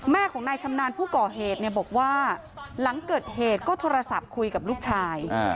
แม่ของนายชำนาญผู้ก่อเหตุเนี่ยบอกว่าหลังเกิดเหตุก็โทรศัพท์คุยกับลูกชาย